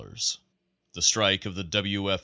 The strike of the W. F.